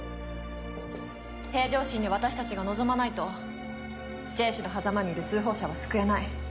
平常心で私たちが臨まないと生死のはざまにいる通報者は救えない。